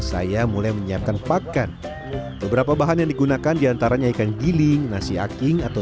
saya mulai menyiapkan pakan beberapa bahan yang digunakan diantaranya ikan giling nasi aking atau